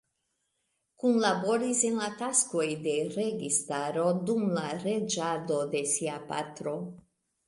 Kunlaboris en la taskoj de registaro dum la reĝado de sia patro.